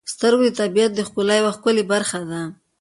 • سترګې د طبیعت د ښکلا یو ښکلی برخه ده.